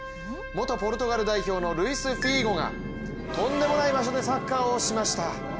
元ポルトガル代表のルイス・フィーゴがとんでもない場所でサッカーをしました。